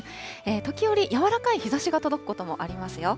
時折、柔らかい日ざしが届くこともありますよ。